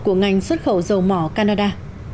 của ngành xuất khẩu dầu mỏ canada